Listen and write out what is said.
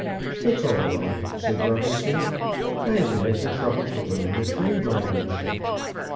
"It's all right," said Robinson. "I have been at the trouble to learn the trade language."